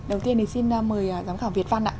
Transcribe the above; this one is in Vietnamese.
đầu tiên thì xin mời giám khảo việt văn ạ